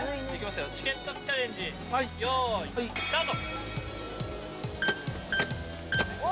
チケットチャレンジ、よーい、スタート。